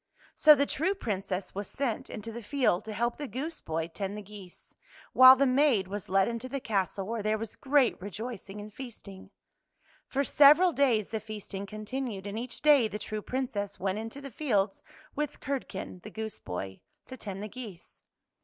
So the true Princess was sent into the field to help the goose boy tend the geese, while the maid was led into the castle where there was great rejoicing and feasting. For several days the feasting contin ued, and each day the true Princess went into the fields with Curdken, the goose boy, to tend the geese.